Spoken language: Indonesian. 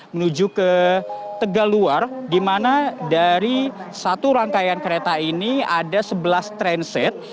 menuju ke tegaluar di mana dari satu rangkaian kereta ini ada sebelas transit